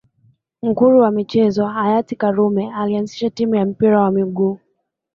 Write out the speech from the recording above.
Nguri wa michezo hayati karume alianzisha timu ya mpira wa miguu